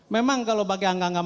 memang kalau pakai angka angka makro